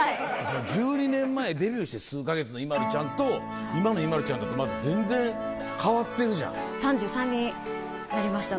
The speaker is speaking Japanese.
１２年前デビューして数か月のＩＭＡＬＵちゃんと今のＩＭＡＬＵちゃんだとまず全然変わってるじゃん。